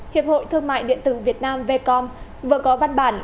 hiệp hội thương mại điện tử việt nam vcom vừa có văn bản